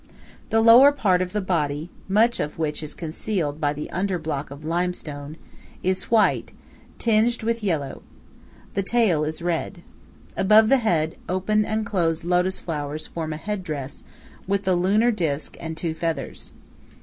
The lower part of the body, much of which is concealed by the under block of limestone, is white, tinged with yellow. The tail is red. Above the head, open and closed lotus flowers form a head dress, with the lunar disk and two feathers.